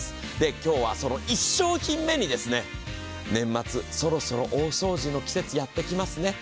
今日はその１商品目に、年末そろそろ大掃除の季節やってきますね。